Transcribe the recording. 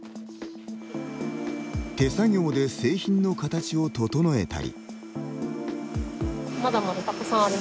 手作業で、製品の形を整えたり。